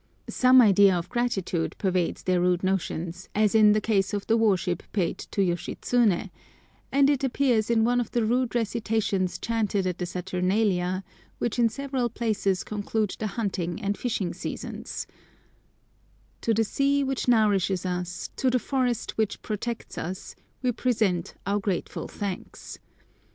Some idea of gratitude pervades their rude notions, as in the case of the "worship" paid to Yoshitsuné, and it appears in one of the rude recitations chanted at the Saturnalia which in several places conclude the hunting and fishing seasons:— "To the sea which nourishes us, to the forest which protects us, we present our grateful thanks.